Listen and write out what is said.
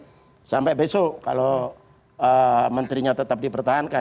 tapi sampai besok kalau menterinya tetap dipertahankan